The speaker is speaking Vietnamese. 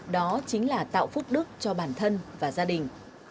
đó chính là tạo phúc đức cho bản thân và gia đình